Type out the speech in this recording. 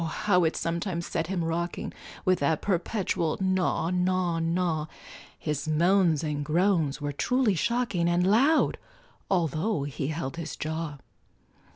how it sometimes set him rocking, With that perpetual gnaw gnaw gnaw, His moans and groans were truly shocking, And loud, altho' he held his jaw.